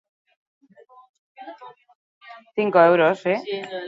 Dirudienez, ordu horretan jendez lepo zegoen jatetxea.